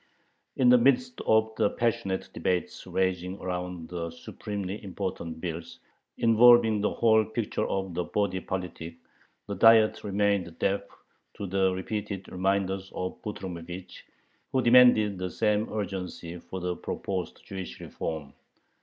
In the midst of the passionate debates raging around the supremely important bills involving the whole future of the body politic, the Diet remained deaf to the repeated reminders of Butrymovich, who demanded the same urgency for the proposed Jewish reform.